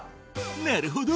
なるほど！